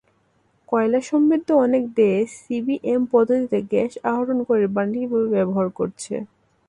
কয়লাসমৃদ্ধ অনেক দেশ সিবিএম পদ্ধতিতে গ্যাস আহরণ করে বাণিজ্যিকভাবে ব্যবহার করছে।